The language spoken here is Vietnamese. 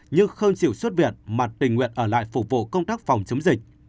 nhưng không chịu xuất viện mà tình nguyện ở lại phục vụ công tác phòng chống dịch